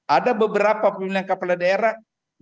ada beberapa pemilihan kepala daerah